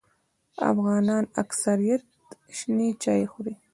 افغانان اکثریت شنې چای خوري